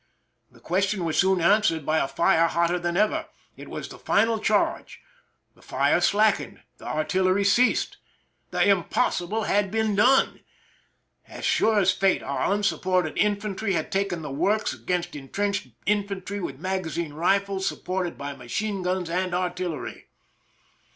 The question was soon answered by fire hotter than ever. It was the final charge. The fire slackened; the artillery ceased. The impossible had been done ! As sure as fate our unsupported infantry had taken the works, against intrenched infantry with maga zine rifles, supported by machine guns and artillery.